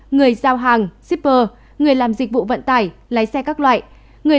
người giao hàng shipper người làm dịch vụ vận tải lái xe các loại